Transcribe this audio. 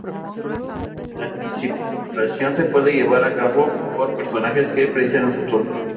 La anticipación se puede llevar a cabo por personajes que predicen el futuro.